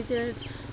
cho đường dây điện